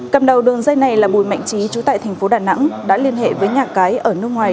cầm đầu đường dây này là bùi mạnh trí trú tại thành phố đà nẵng đã liên hệ với nhà cái ở nước ngoài